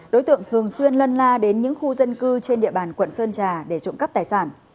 đối tượng thường xuyên lân la đến những khu dân cư trên địa bàn quận sơn trà để trộm cắp tài sản